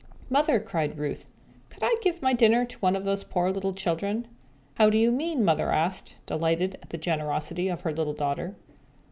"Mother," cried Ruth, "could I give my dinner to one of these poor little children?" "How do you mean?" Mother asked, delighted at the generosity of her little daughter.